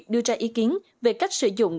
đưa ra ý kiến về cách sử dụng